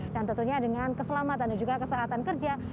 dan tentunya dengan keselamatan dan juga kesehatan kerja